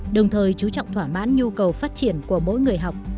đồng thời chú trọng thỏa mãn nhu cầu phát triển của mỗi người học